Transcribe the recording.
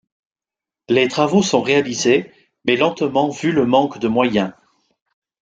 Les travaux sont réalisés, mais lentement vu le manque de moyens.